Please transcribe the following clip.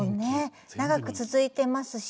長く続いてますし。